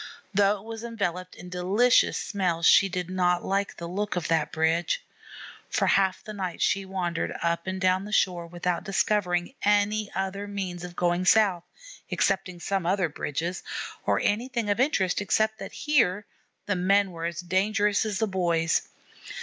Though it was enveloped in delicious smells, she did not like the look of that bridge. For half the night she wandered up and down the shore without discovering any other means of going south, excepting some other bridges, or anything of interest except that here the men were as dangerous as the boys.